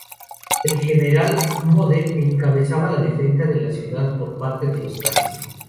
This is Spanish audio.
El general Model encabezaba la defensa de la ciudad por parte de los nazis.